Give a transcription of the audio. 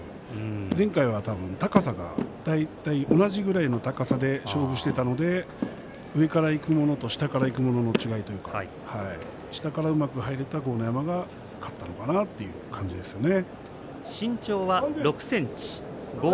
前回は高さが大体同じくらいのところで勝負していたので上からいくものと下からいくものの違いというか下からうまく入れた豪ノ山が勝ったのかなという感じですね。